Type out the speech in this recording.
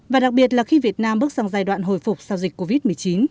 và đặc biệt là khi việt nam bước sang giai đoạn hồi phục sau dịch covid một mươi chín